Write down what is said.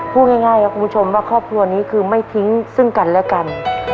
พูดง่ายครับคุณผู้ชมว่าครอบครัวนี้คือไม่ทิ้งซึ่งกันและกัน